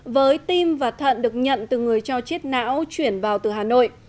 với tim và thận được nhận từ người cho chết não chuyển vào từ hà nội